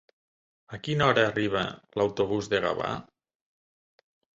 A quina hora arriba l'autobús de Gavà?